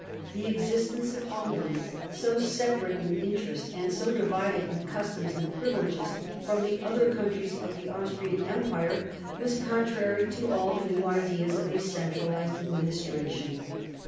The existence of Hungary, so separate in interest and so divided in customs and privileges from the other countries of the Austrian Empire, was contrary to all the new ideas of a centralised administration.